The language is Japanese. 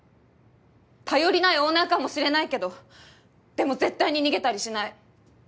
頼りないオーナーかもしれないけどでも絶対に逃げたりしない。